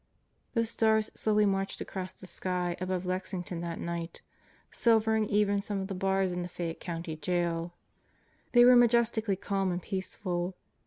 The stars slowly marched across the sky above Lexington that night, silvering even some of the bars in the Fayette County Jail. They were majestically calm and peaceful.